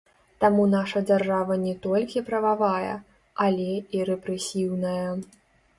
Таму наша дзяржава не толькі прававая, але і рэпрэсіўная.